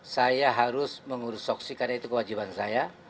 saya harus mengurus saksi karena itu kewajiban saya